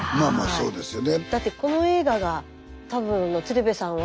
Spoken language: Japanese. そうですよね。